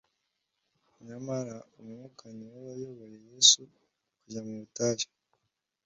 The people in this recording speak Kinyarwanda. Nyamara Umwuka ni we wayoboye Yesu kujya mu butayu